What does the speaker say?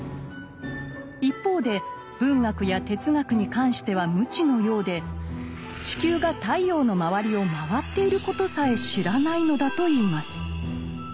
一方で文学や哲学に関しては無知のようで地球が太陽の周りを回っていることさえ知らないのだといいます。